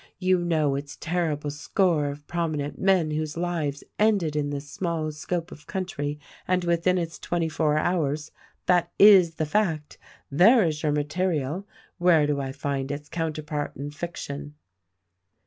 You know its terrible score of promi nent men whose lives ended in this small scope of country and within its twenty four hours. That is the fact ! There is your material ! Where do I find its counterpart in fic tion?"